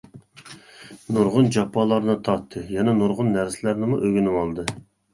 نۇرغۇن جاپالارنى تارتتى، يەنە نۇرغۇن نەرسىلەرنىمۇ ئۆگىنىۋالدى.